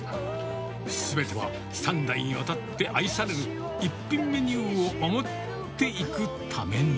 すべては３代にわたって愛される、一品メニューを守っていくために。